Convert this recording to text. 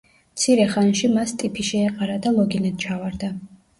მცირე ხანში მას ტიფი შეეყარა და ლოგინად ჩავარდა.